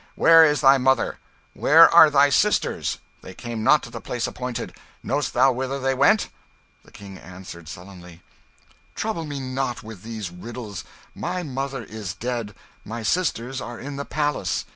Where is thy mother? Where are thy sisters? They came not to the place appointed knowest thou whither they went?" The King answered sullenly "Trouble me not with these riddles. My mother is dead; my sisters are in the palace."